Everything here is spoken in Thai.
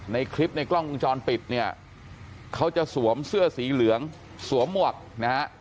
ในคลิปในกล้องวงจรปิดเนี่ยเขาจะสวมเสื้อสีเหลืองสวมหมวกนะฮะ